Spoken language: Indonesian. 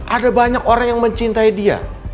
ada banyak orang yang mencintai dia